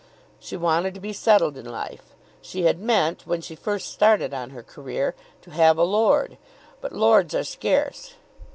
She wanted to be settled in life. She had meant, when she first started on her career, to have a lord; but lords are scarce.